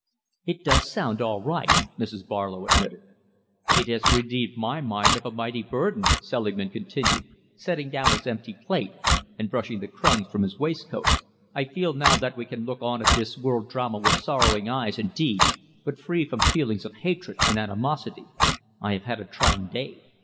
"It does sound all right," Mrs. Barlow admitted. "It has relieved my mind of a mighty burden," Selingman continued, setting down his empty plate and brushing the crumbs from his waistcoat. "I feel now that we can look on at this world drama with sorrowing eyes, indeed, but free from feelings of hatred and animosity. I have had a trying day.